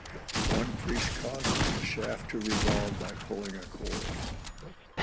One priest causes the shaft to revolve by pulling a cord.